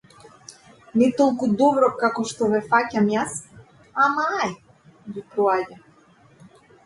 Не толку добро како што ве фаќам јас, ама ај, ви проаѓа.